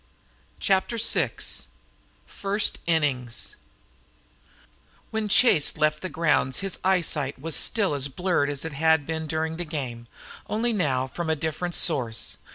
CHAPTER VI FIRST INNINGS When Chase left the grounds his eyesight was still as blurred as it had been during the game, only now from a different source.